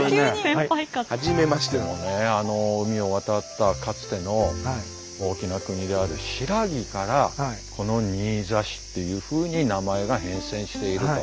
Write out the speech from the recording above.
あの海を渡ったかつての大きな国である新羅からこの新座市っていうふうに名前が変遷していると。